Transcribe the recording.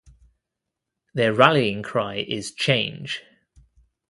Their rallying cry is Change!